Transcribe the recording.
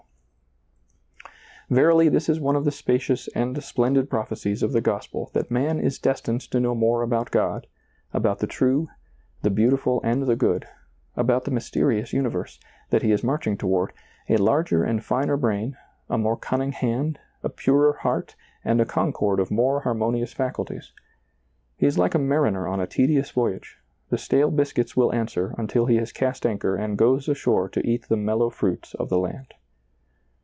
^lailizccbvGoOgle THE COMING TEMPLE 185 Verily this is one of the spacious and splendid prophecies of the gospel that man is destined to know more about God, about the true, the beauti ful, and the good, about the mysterious universe, that he is marching toward, — a larger and finer brain, a more cunning hand, a purer heart, and a concord of more harmonious faculties. He is like a mariner on a tedious voyage ; the stale biscuits will answer until he has cast anchor and gone ashore to eat the mellow fruits of the land.